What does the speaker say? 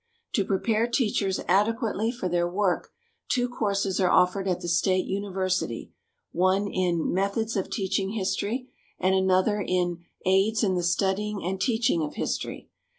To prepare teachers adequately for their work two courses are offered at the State University, one in "Methods of Teaching History," and another in "Aids in the Studying and Teaching of History."